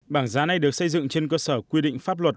bảng giá này được xây dựng trên cơ sở quy định pháp luật